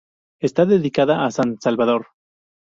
Está dedicada a San Salvador.